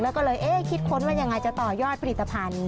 แล้วก็เลยเอ๊ะคิดค้นว่ายังไงจะต่อยอดผลิตภัณฑ์